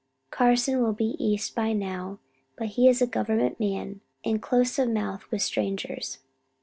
Carson will be East by now, but he is a government man, and close of mouth with strangers.